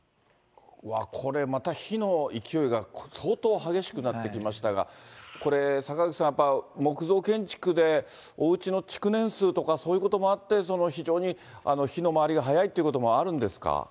これまた、火の勢いが相当激しくなってきましたが、これ、坂口さん、やっぱり木造建築でおうちの築年数とかそういうこともあって、非常に火の回りが速いということもあるんですか。